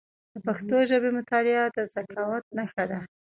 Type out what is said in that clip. د پښتو ژبي مطالعه د ذکاوت نښه ده.